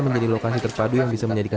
menjadi lokasi terpadu yang bisa menjadikan